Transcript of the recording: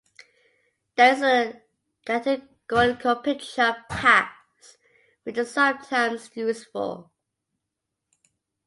There is a categorical picture of paths which is sometimes useful.